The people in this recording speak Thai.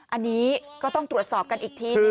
อันนี้ก็ต้องตรวจสอบกันอีกที